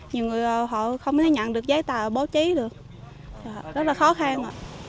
nhiều người họ không thể nhận được giấy tà báo chí được rất là khó khăn